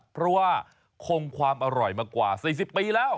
เพราะว่าคงความอร่อยมากว่า๔๐ปีแล้ว